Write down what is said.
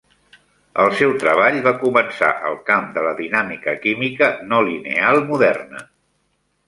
El seu treball va començar el camp de la dinàmica química no lineal moderna.